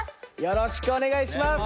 よろしくお願いします。